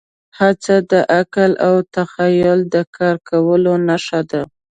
هڅه د عقل او تخیل د کار کولو نښه ده.